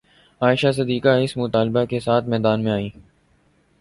عائشہ صدیقہ رض اس مطالبہ کے ساتھ میدان میں آئیں